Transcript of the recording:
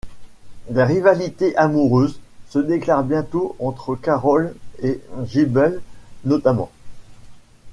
Des rivalités amoureuses se déclarent bientôt, entre Carroll et Gibble notamment.